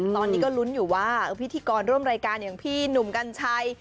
ตอนนี้ก็ลุ้นอยู่ว่าพิธีกรร่วมรายการอย่างพี่หนุ่มกัญชัย